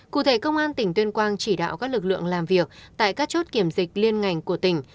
cụ thể công an tỉnh tuyên quang chỉ đạo các lực lượng làm việc tại các chốt kiểm dịch liên ngành của tỉnh